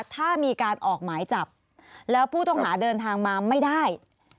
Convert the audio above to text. ถ้ามีการออกหมายจับแล้วผู้ต้องหาเดินทางมาไม่ได้